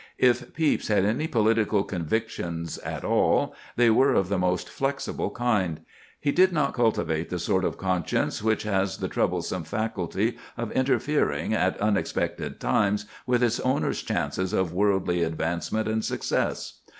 If Pepys had any political convictions at all, they were of the most flexible kind; he did not cultivate the sort of conscience which has the troublesome faculty of interfering at unexpected times with its owner's chances of worldly advancement and success.